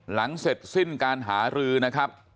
หลังเสร็จสิ้นการหารือนะครับ